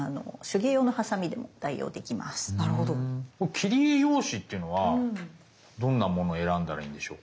切り絵用紙っていうのはどんなものを選んだらいいんでしょう？